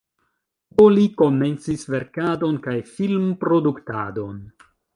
Do li komencis verkadon kaj film-produktadon.